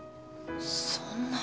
そんな。